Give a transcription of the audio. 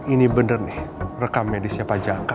ini bener nih rekam medisnya pak jaka